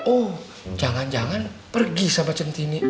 oh jangan jangan pergi sama centini